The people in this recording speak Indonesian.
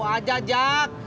tahu aja jack